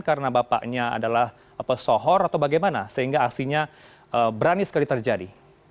karena bapaknya adalah sohor atau bagaimana sehingga aslinya berani sekali terjadi